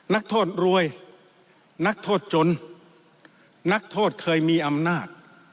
นักโทษรวยนักโทษจนนักโทษเคยมีอำนาจ